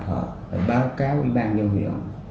họ phải báo cáo ủy ban dân hiệu